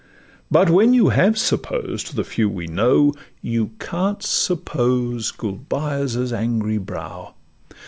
But when you have supposed the few we know, You can't suppose Gulbeyaz' angry brow.